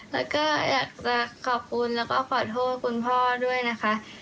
แล้วก็อยากจะขอบคุณแล้วก็ขอโทษคุณพ่อด้วยนะคะ